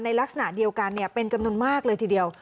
ลักษณะเดียวกันเป็นจำนวนมากเลยทีเดียว